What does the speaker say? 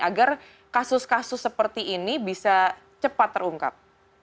agar kasus kasus seperti ini bisa cepat terungkap